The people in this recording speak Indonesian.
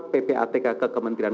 berisikan rekap atas tiga ratus